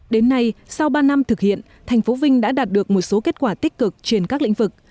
đến nay sau ba năm thực hiện thành phố vinh đã đạt được một số kết quả tích cực trên các lĩnh vực